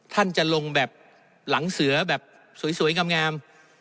ท่านจะลงแบบหลังเสือแบบสวยงาม